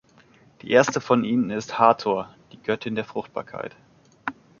Die erste von ihnen ist Hathor, die Göttin der Fruchtbarkeit.